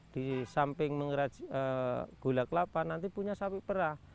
di samping gula kelapa nanti punya sapi perah